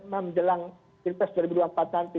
menjelang pilpres dua ribu dua puluh empat nanti